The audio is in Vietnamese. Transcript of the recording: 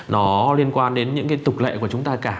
nó liên quan đến những cái tục lệ của chúng ta cả